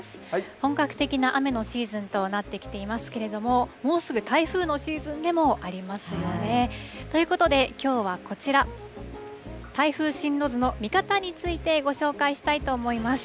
本格的な雨のシーズンとなってきていますけれども、もうすぐ台風のシーズンでもありますよね。ということで、きょうはこちら、台風進路図の見方についてご紹介したいと思います。